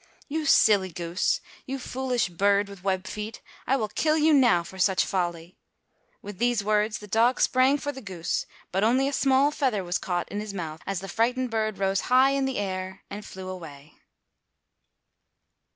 "You silly goose, you foolish bird with web feet, I will kill you now for such folly." With these words the dog sprang for the goose, but only a small feather was caught in his mouth as the frightened bird rose high in the air and flew away.